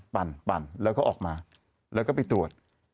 ปั่นแล้วก็ออกมาแล้วก็ไปตรวจ